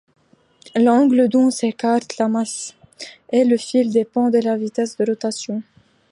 L'angle dont s'écarte la masse et le fil dépend de la vitesse de rotation.